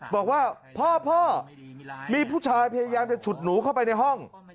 บอกว่าพ่อมีผู้ชายพยายามจะฉุดหนูเข้าไปในห้อง